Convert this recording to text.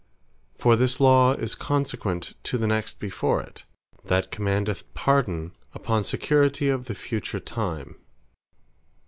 For this Law is consequent to the next before it, that commandeth Pardon, upon security of the Future Time.